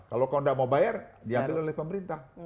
kalau kau tidak mau bayar diambil oleh pemerintah